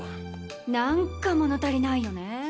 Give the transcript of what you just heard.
何か物足りないよね。